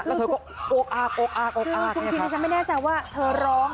แล้วเธอก็โอ๊คอากโอ๊คอากโอ๊คอากไม่แน่ใจว่าเธอร้อง